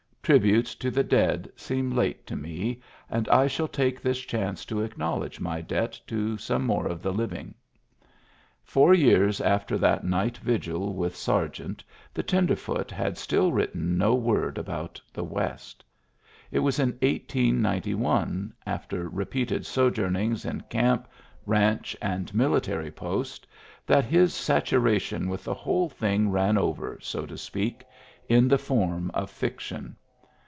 Tributes to the dead seem late to me, and I shall take this chance to acknowledge my debt to some more of the living. Four years after that night vigil with Sargent, the tenderfoot had still written no word about the West It was in 1891, after repeated sojourn ings in camp, ranch, and military post, that his saturation with the whole thing ran over, so to Digitized by Google PREFACE 17 speak, in the form of fiction.